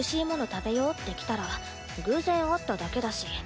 食べようって来たら偶然会っただけだし。